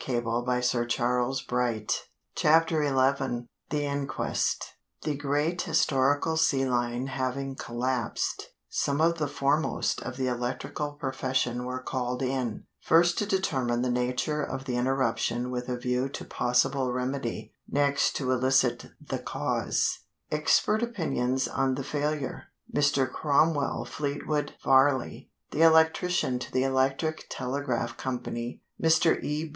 CHAPTER XI THE INQUEST Expert Trials Expert Evidence The great historical sea line having collapsed, some of the foremost of the electrical profession were called in first to determine the nature of the interruption with a view to possible remedy, next to elicit the cause. Expert Opinions on the Failure. Mr. Cromwell Fleetwood Varley, the electrician to the Electric Telegraph Company, Mr. E. B.